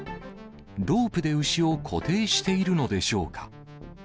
ロープで牛を固定しているのでしょうか。